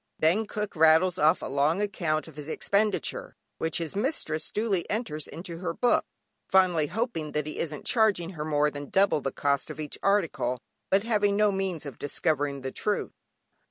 Then cook rattles off a long account of his expenditure, which his mistress duly enters in her book, fondly hoping that he isn't charging her more than double the cost of each article, but having no means of discovering the truth.